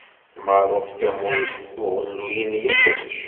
Merruk d tamurt uɣelluy n yiṭij.